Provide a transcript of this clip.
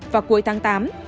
vào cuối tháng tám